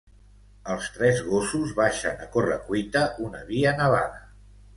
Els tres gossos baixen a corre-cuita una via nevada.